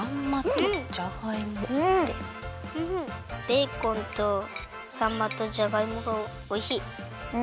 ベーコンとさんまとじゃがいもがおいしい。